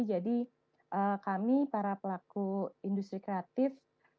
jadi kami para pelaku industri kreatif bergelut sekarang memasarkannya di online